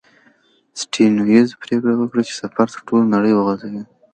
سټيونز پرېکړه وکړه چې سفر تر ټولې نړۍ وغځوي.